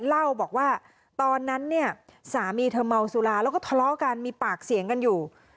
เล่าบอกว่าตอนนั้นเนี่ยสามีเธอเมาสุราแล้วก็ทะเลาะกันมีปากเสียงกันอยู่